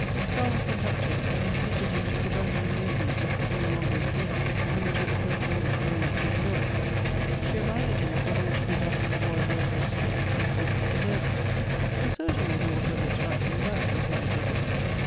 Charlotte went up to hiin, and entreated him to put ofi" an amusement which was no longer in place, and which at the present moment no one could enjoy. She reminded him of what ought to be done for the boy who had been saved, and for his preserver. "The surgeon will do whatever is right, no doubt," replied Edward.